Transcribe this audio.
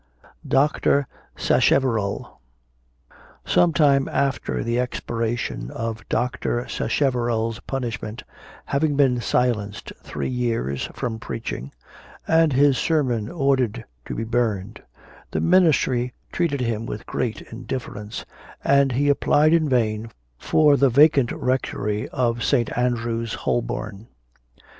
DR. SACHEVERELL. Some time after the expiration of Dr. Sacheverell's punishment, having been silenced three years from preaching, and his sermon ordered to be burned, the ministry treated him with great indifference, and he applied in vain for the vacant rectory of St. Andrew's, Holborn.